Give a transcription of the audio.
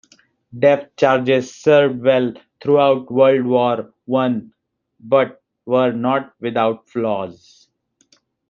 Depth charges served well throughout World War One but were not without flaws.